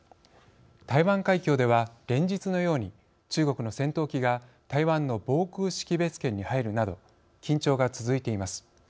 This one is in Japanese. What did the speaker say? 台湾海峡では連日のように中国の戦闘機が台湾の防空識別圏に入るなど緊張が続いています。